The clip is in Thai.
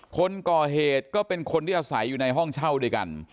คนก่อเหตุก็เป็นคนที่อาศัยอยู่ในห้องเช่าด้วยกัน